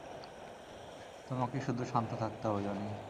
তোমাকে শুধু শান্ত থাকতে হবে, জনি।